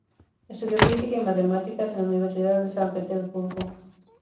Estudió Física y Matemáticas en la Universidad de San Petersburgo.